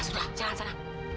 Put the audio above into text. sudah jalan sana